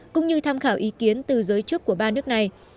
cũng như tham khảo ý kiến từ giới chức của ba nước này